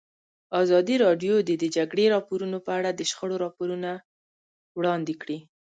ازادي راډیو د د جګړې راپورونه په اړه د شخړو راپورونه وړاندې کړي.